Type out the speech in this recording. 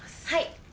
はい。